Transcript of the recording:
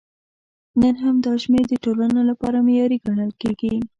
نن هم دا شمېر د ټولنو لپاره معیاري ګڼل کېږي.